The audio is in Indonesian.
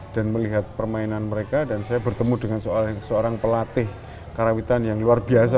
dan melihat permainan mereka dan saya bertemu dengan seorang pelatih karawitan yang luar biasa